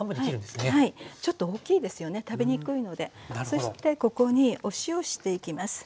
そしてここにお塩していきます。